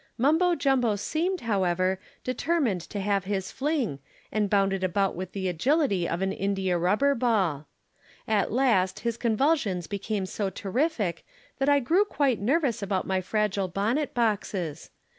Mumbo Jumbo seemed, however, determined to have his fling, and bounded about with the agility of an india rubber ball. At last his convulsions became so terrific that I grew quite nervous about my fragile bonnet boxes.